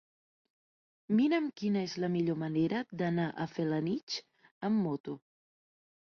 Mira'm quina és la millor manera d'anar a Felanitx amb moto.